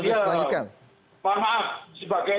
sebagai nak dikir itu biasanya soal kursus